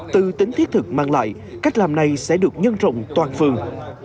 từ tính thiết thực mang lại cách làm này sẽ được nhân rộng toàn phường